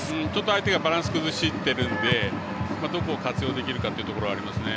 相手がバランス崩してるんでどこを活用できるかというところはありますね。